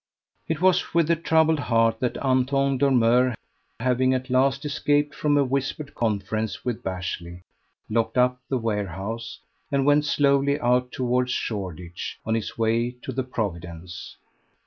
It was with a troubled heart that Anton Dormeur, having at last escaped from a whispered conference with Bashley, locked up the warehouse, and went slowly out towards Shoreditch on his way to the "Providence."